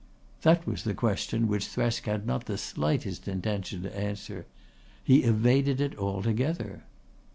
That was a question which Thresk had not the slightest intention to answer. He evaded it altogether.